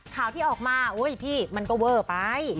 ข่าวที่ออกมามันก็เวอร์ไป